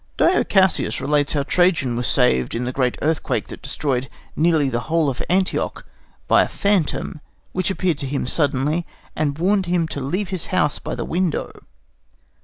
Dio Cassius relates how Trajan was saved in the great earthquake that destroyed nearly the whole of Antioch by a phantom, which appeared to him suddenly, and warned him to leave his house by the window.